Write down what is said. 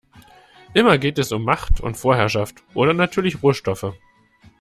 Immer geht es um Macht und Vorherrschaft oder natürlich Rohstoffe.